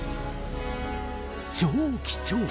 超貴重！